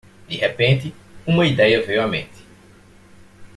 De repente, uma ideia veio à mente